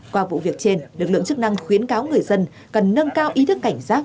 qua vụ việc trên lực lượng chức năng khuyến cáo người dân cần nâng cao ý thức cảnh giác